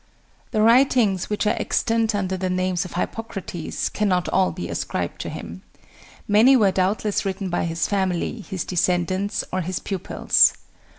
The writings which are extant under the name of Hippocrates cannot all be ascribed to him. Many were doubtless written by his family, his descendants, or his pupils.